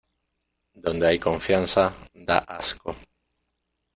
Donde hay confianza, da asco.